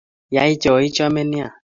Yai cho ichome nea